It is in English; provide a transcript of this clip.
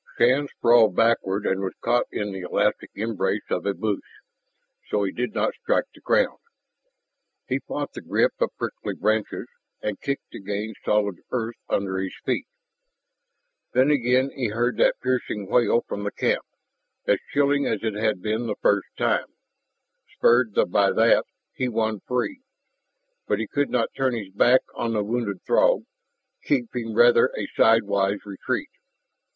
Shann sprawled backward and was caught in the elastic embrace of a bush, so he did not strike the ground. He fought the grip of prickly branches and kicked to gain solid earth under his feet. Then again he heard that piercing wail from the camp, as chilling as it had been the first time. Spurred by that, he won free. But he could not turn his back on the wounded Throg, keeping rather a sidewise retreat.